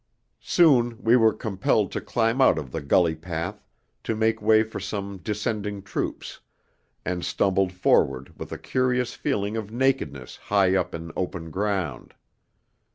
Soon we were compelled to climb out of the gully path to make way for some descending troops, and stumbled forward with a curious feeling of nakedness high up in open ground.